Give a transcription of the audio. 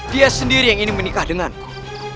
dia sendiri yang ingin menikah denganku